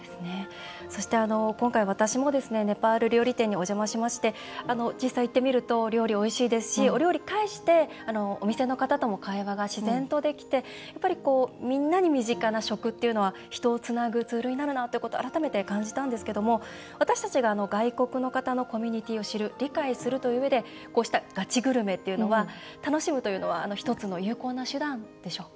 そして、今回、私もネパール料理店にお邪魔しまして実際、行ってみるとお料理おいしいですしお料理介してお店の方とも会話が自然とできてみんなに身近な食っていうのは人をつなぐツールになるなっていうこと改めて感じたんですけども私たちが外国の方のコミュニティーを知る理解するといううえでこうしたガチグルメというのは楽しむというのは一つの有効な手段でしょうか。